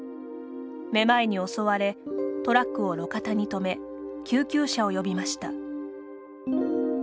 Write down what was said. めまいに襲われトラックを路肩に止め救急車を呼びました。